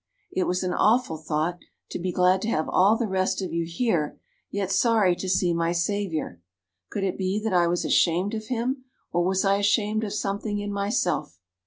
It was an awful thought, to be glad to have all the rest of you here, yet sorry to see my Saviour! Could it be that I was ashamed of him, or was I ashamed of something in myself?